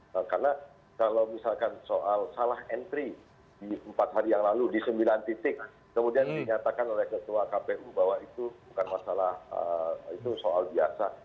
karena kalau misalkan soal salah entry di empat hari yang lalu di sembilan titik kemudian dinyatakan oleh ketua kpu bahwa itu bukan masalah itu soal biasa